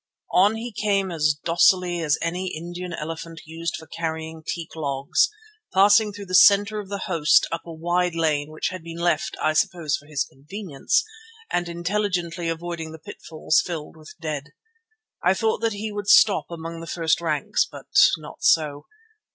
On he came as docilely as any Indian elephant used for carrying teak logs, passing through the centre of the host up a wide lane which had been left, I suppose for his convenience, and intelligently avoiding the pitfalls filled with dead. I thought that he would stop among the first ranks. But not so.